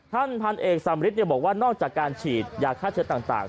ท่านพันเอกสำริทบอกว่านอกจากการฉีดยาฆ่าเชื้อต่าง